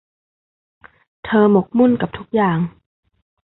เธอหมกมุ่นกับทุกอย่าง